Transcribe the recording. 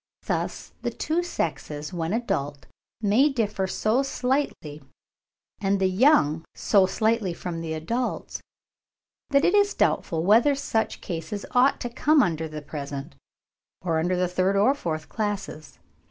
Thus the two sexes when adult may differ so slightly, and the young so slightly from the adults, that it is doubtful whether such cases ought to come under the present, or under the third or fourth classes.